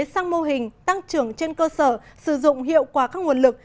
sang mô hình tăng trưởng trên cơ sở sử dụng hiệu quả các nguồn lực